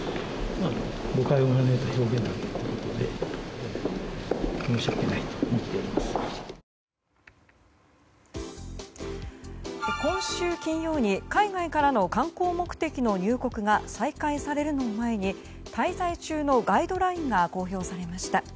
今週金曜に海外からの観光目的の入国が再開されるのを前に滞在中のガイドラインが公表されました。